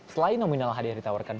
selain nominal hadiah ditawarkan